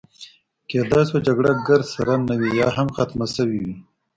کیدای شوه جګړه ګرد سره نه وي، یا هم ختمه شوې وي.